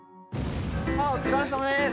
お疲れさまです。